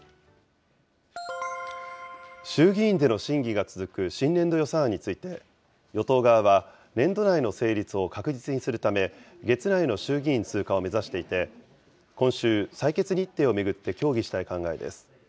衆議院での審議が続く新年度予算案について、与党側は、年度内の成立を確実にするため、月内の衆議院通過を目指していて、今週、採決日程を巡って協議したい考えです。